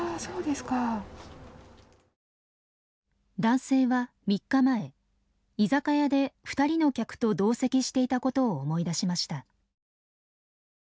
男性は３日前居酒屋で２人の客と同席していたことを思い出しました。